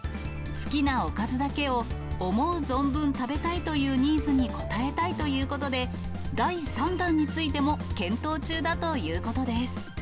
好きなおかずだけを思う存分食べたいというニーズに応えたいということで、第３弾についても検討中だということです。